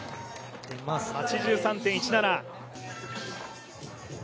８３．１７。